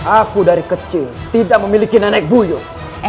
aku dari kecil tidak memiliki nenek buyuh